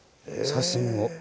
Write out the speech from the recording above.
写真を。